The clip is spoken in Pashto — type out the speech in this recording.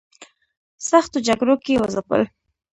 سختو جګړو کې وځپل.